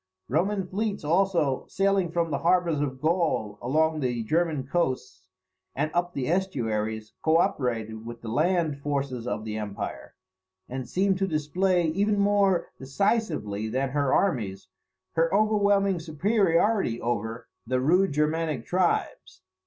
Roman fleets also, sailing from the harbours of Gaul along the German coasts, and up the estuaries, co operated with the land forces of the empire; and seemed to display, even more decisively than her armies, her overwhelming superiority over the rude Germanic tribes.